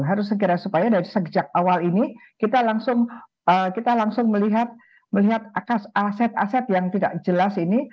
harus segera supaya dari sejak awal ini kita langsung melihat aset aset yang tidak jelas ini